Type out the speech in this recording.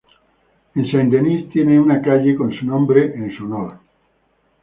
En Saint Denis tiene una calle con su nombre en su honor.